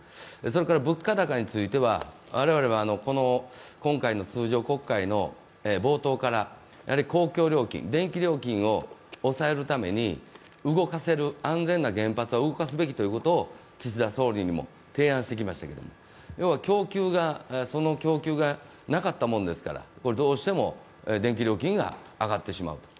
それから物価高については、我々は今回の通常国会の冒頭から公共料金、電気料金を抑えるために動かせる、安全な原発は動かすべきと岸田総理にも提案してきましたけれども、要は供給がなかったものですからどうしても電気料金が上がってしまうと。